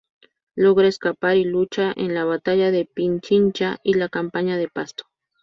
Logra escapar y lucha en la batalla de Pichincha y la Campaña de Pasto.